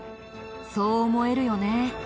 そう思えるよね。